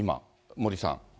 森さん。